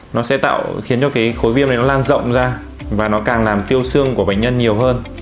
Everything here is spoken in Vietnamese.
nó sẽ tạo khiến cho cái khối viêm này nó lan rộng ra và nó càng làm tiêu xương của bệnh nhân nhiều hơn